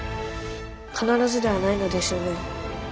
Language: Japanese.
必ずではないのですよね。